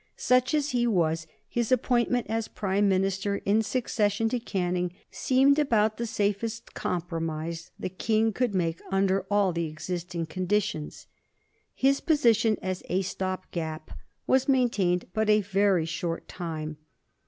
Such as he was, his appointment as Prime Minister in succession to Canning seemed about the safest compromise the King could make under all the existing conditions. His position as a stop gap was maintained but a very short time.